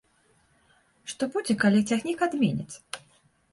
Што будзе, калі цягнік адменяць?